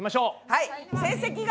はい。